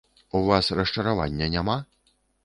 У вас расчаравання няма?